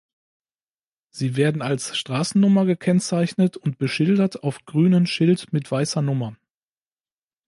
Sie werden als (Straßennummer) gekennzeichnet und beschildert auf grünen Schild mit weißer Nummer.